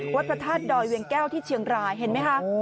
พระธาตุดอยเวียงแก้วที่เชียงรายเห็นไหมคะ